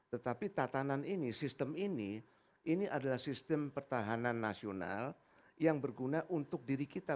tetapi tatanan ini sistem ini ini adalah sistem pertahanan nasional yang berguna untuk diri kita